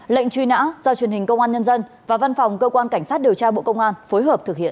lệnh truy nã do truyền hình công an nhân dân và văn phòng cơ quan cảnh sát điều tra bộ công an phối hợp thực hiện